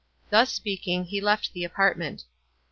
Thus speaking, he left the apartment.